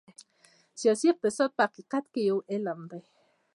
سیاسي اقتصاد په حقیقت کې یو علم دی.